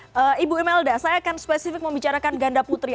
oke ibu imelda saya akan spesifik membicarakan ganda putri